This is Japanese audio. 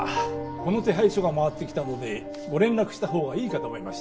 この手配書が回ってきたのでご連絡したほうがいいかと思いまして。